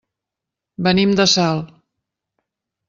Venim de Salt.